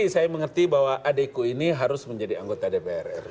saya mengerti bahwa adikku ini harus menjadi anggota dpr ri